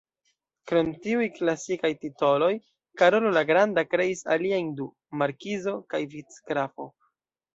Krom tiuj "klasikaj" titoloj, Karolo la Granda kreis aliajn du: markizo kaj vicgrafo.